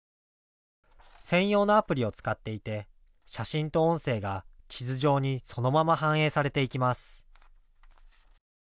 専用のアプリを使っていて写真と音声が地図上にそのまま反映されていきます。